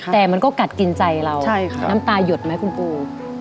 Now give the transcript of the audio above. แต่มันก็กัดกินใจเราน้ำตายดไหมคุณปู